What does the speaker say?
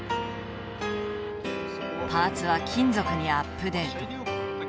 パーツは金属にアップデート。